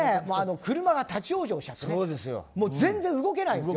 車が立ち往生しちゃって全然動けないんですよ。